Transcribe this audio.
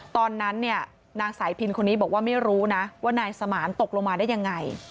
ตอนนั้นเนี่ยนางสายพินคนนี้บอกว่าไม่รู้นะว่านายสมานตกลงมาได้ยังไง